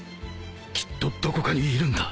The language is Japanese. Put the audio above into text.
きっとどこかにいるんだ